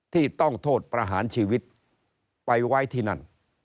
ที่ต้องโทษประหารชีวิตไปไว้ที่นั่น